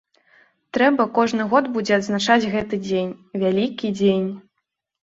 Трэба кожны год будзе адзначаць гэты дзень, вялікі дзень.